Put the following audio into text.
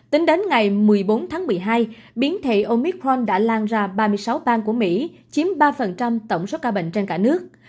tính đến ngày một mươi bốn tháng một mươi hai biến thể omitron đã lan ra ba mươi sáu bang của mỹ chiếm ba tổng số ca bệnh trên cả nước